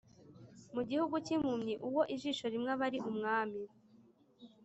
Mu gihugu cy’impumyi uwo ijisho rimwe aba ari umwami.